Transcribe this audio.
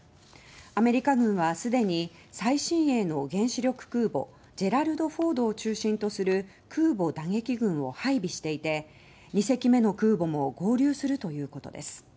アメリカ軍は既に最新鋭の原子力空母ジェラルド・フォードを中心とする空母打撃群を配備していて２隻目の空母も合流するということです。